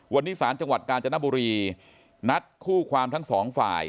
วันนี้ศาลจังหวัดกาญจนบุรีนัดคู่ความทั้งสองฝ่าย